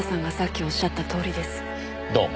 どうも。